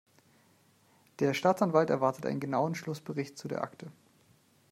Der Staatsanwalt erwartet einen genauen Schlussbericht zu der Akte.